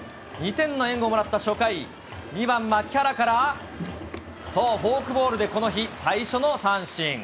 ２点の援護をもらった初回、２番まきはらからそう、フォークボールでこの日最初の三振。